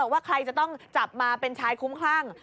ว่าใครจะต้องจับมาเป็นชายคุ้มคลั่ง